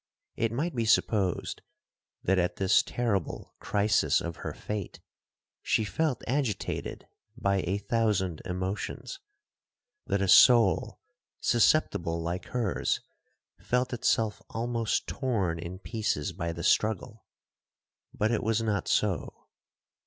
It might be supposed that at this terrible crisis of her fate, she felt agitated by a thousand emotions,—that a soul susceptible like hers felt itself almost torn in pieces by the struggle,—but it was not so.